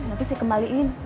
nanti saya kembalikan